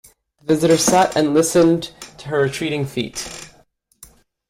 The visitor sat and listened to her retreating feet.